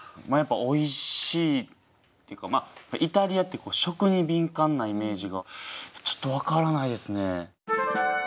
まあやっぱおいしいっていうかまあイタリアって食に敏感なイメージがちょっとわからないですね。